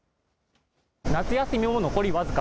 夏休みも残り僅か。